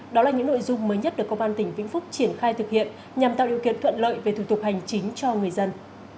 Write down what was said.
đó là những nội dung mới nhất được công an tỉnh vĩnh phúc triển khai thực hiện nhằm tạo điều kiện thuận lợi về thủ tục hành chính cho người dân